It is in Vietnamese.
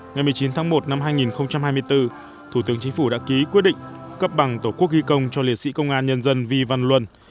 ngày một mươi chín tháng một năm hai nghìn hai mươi bốn thủ tướng chính phủ đã ký quyết định cấp bằng tổ quốc ghi công cho liệt sĩ công an nhân dân vi văn luân